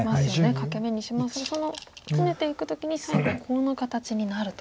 欠け眼にしますがそのツメていく時に最後コウの形になると。